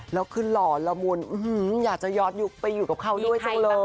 แล้วคือหล่อละมุนอยากจะย้อนยุคไปอยู่กับเขาด้วยจังเลย